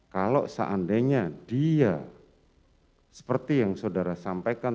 kalau seandainya dia seperti yang saudara sampaikan